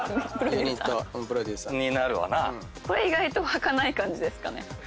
これ意外とはかない感じですかね？